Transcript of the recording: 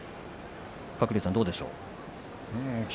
鶴竜さん、どうでしょう？